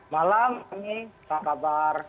malam ini apa kabar